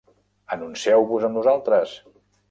Anuncieu-vos amb nosaltres!